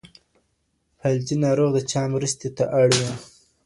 فلجي ناروغ د چا مرستې ته اړ وي.